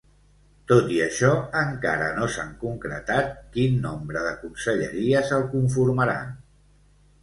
Tot i això, encara no s’ha concretat quin nombre de conselleries el conformaran.